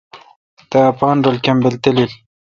تا اپین رل کمبل تالیل۔